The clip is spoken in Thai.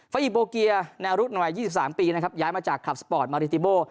อิโบเกียวรุ่นวัย๒๓ปีนะครับย้ายมาจากคลับสปอร์ตมาริติโบ